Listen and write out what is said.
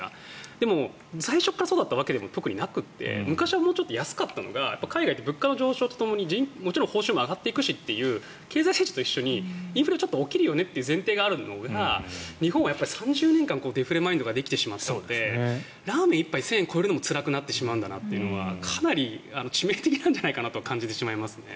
でも、最初からそうだったわけじゃなくて昔はもうちょっと安かったのが海外物価の上昇とともに報酬も上がっていくという経済成長と一緒にインフレが起きるという前提があるのが、日本は３０年間デフレマインドができてしまったのでラーメン１杯が１０００円超えるのもつらくなってしまったんだなというのがかなり致命的なんじゃないかなと感じてしまいます。